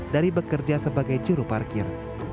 dari bekerja sebagai juru parkir